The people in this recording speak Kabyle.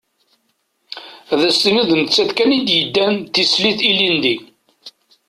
Ad as-tiniḍ d nettat kan i d-yeddan d tislit ilindi.